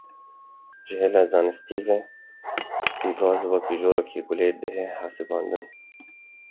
Ji hêla zanistî ve, pîvaz wek corekî gûlê dihê hesibandin